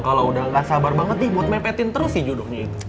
kalau udah gak sabar banget nih buat mepetin terus sih judulnya itu